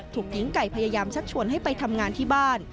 หญิงไก่พยายามชักชวนให้ไปทำงานที่บ้าน